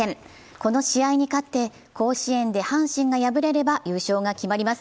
この試合に勝って、甲子園で阪神が敗れれば優勝が決まります。